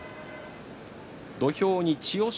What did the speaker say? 土俵に千代翔